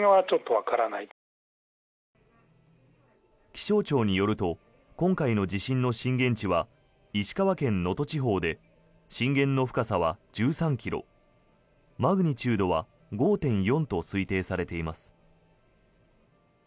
気象庁によると今回の地震の震源地は石川県能登地方で震源の深さは１３ｋｍマグニチュードは５．４と推定されています。